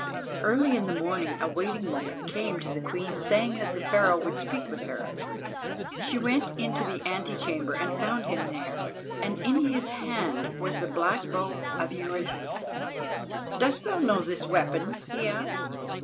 Early in the morning, a waiting woman came to the Queen saying that Pharaoh would speak with her. She went into the ante chamber and found him there, and in his hand was the black bow of Eurytus. "Dost thou know this weapon?" he asked.